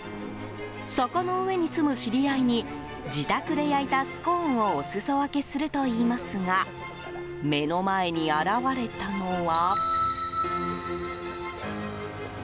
坂の上に住む知り合いに自宅で焼いたスコーンをお裾分けするといいますが目の前に現れたのは。